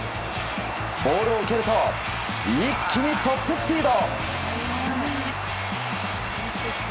ボールを受けると一気にトップスピード！